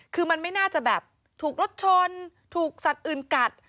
คือมันไม่น่าจะแบบถูกรถชนถูกสัตว์อื่นกัด